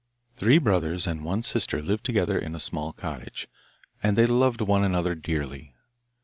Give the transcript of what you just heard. Three brothers and one sister lived together in a small cottage, and they loved one another dearly.